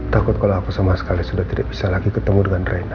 takut kalau aku sama sekali sudah tidak bisa lagi ketemu dengan reinhar